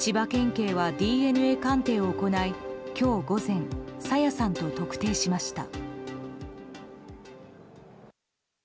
警はＤＮＡ鑑定を行い今日午前朝芽さんと特定しました。